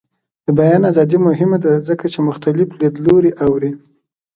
د بیان ازادي مهمه ده ځکه چې مختلف لیدلوري اوري.